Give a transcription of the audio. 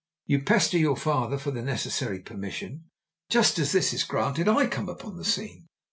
You pester your father for the necessary permission. Just as this is granted I come upon the scene.